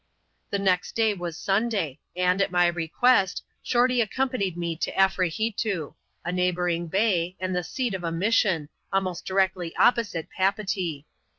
The next day was Sunday ; and, at my request, Shorty ac companied me to Afrehitoo — a neighbouring bay, and the seat of a mission, almost directly opposite Papeetee.